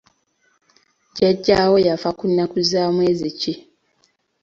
Jjajjaawo yafa ku nnnaku za mwezi ki?